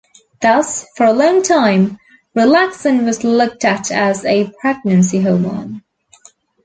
Thus, for a long time, relaxin was looked at as a pregnancy hormone.